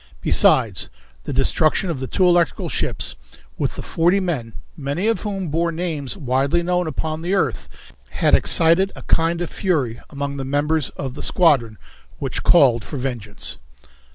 Besides, the destruction of the two electrical ships with the forty men, many of whom bore names widely known upon the earth, had excited a kind of fury among the members of the squadron which called for vengeance.